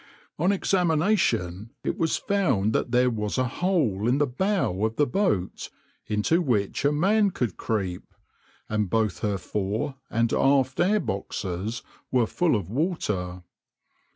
\par On examination it was found that there was a hole in the bow of the boat into which a man could creep, and both her fore and aft air boxes were full of water.